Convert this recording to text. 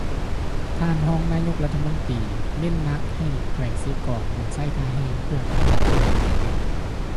ທ່ານຮອງນາຍົກລັດຖະມົນຕີ ເໜັ້ນໜັກໃຫ້ແຂວງເຊກອງ ໝູນໃຊ້ທ່າແຮງເພື່ອການພັດທະນາ